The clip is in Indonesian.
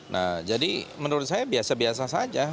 nah jadi menurut saya biasa biasa saja